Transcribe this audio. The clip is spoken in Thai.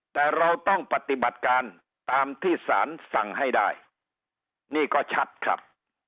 แต่เราต้องปฏิบัติการตามที่สารสั่งให้ได้นี่ก็ชัดครับ